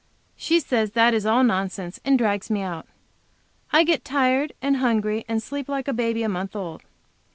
She says that is all nonsense, and drags me out. I get tired, and hungry, and sleep like a baby a month old.